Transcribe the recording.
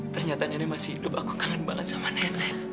ternyata nenek masih hidup aku kangen banget sama nenek